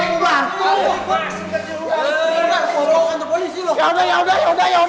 yaudah yaudah yaudah